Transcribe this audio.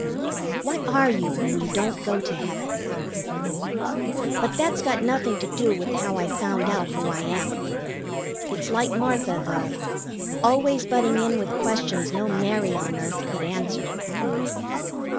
What are you when you don't go to heaven? But that's got nothing to do with how I found out who I am. It's like Martha, though: always butting in with questions no Mary on earth could answer.